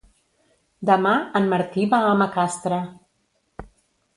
Demà en Martí va a Macastre.